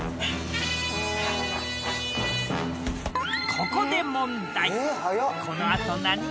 ここで問題。